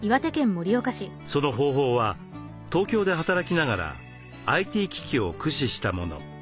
その方法は東京で働きながらＩＴ機器を駆使したもの。